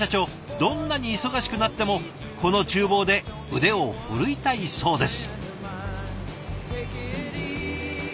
どんなに忙しくなってもこのちゅう房で腕を振るいたいそうです。